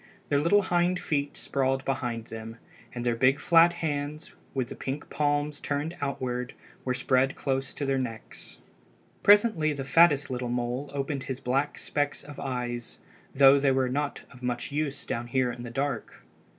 Their little hind feet sprawled behind them, and their big flat hands, with the pink palms turned outward, were spread close to their necks. Presently the fattest little mole opened his black specks of eyes, though they were not of much use down there in the dark.